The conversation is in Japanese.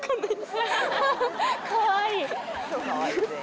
かわいい！